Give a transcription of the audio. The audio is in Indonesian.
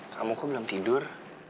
kamu kok belum tidur